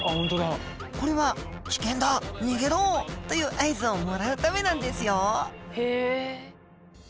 これは「危険だ！逃げろ」という合図をもらうためなんですよへえ！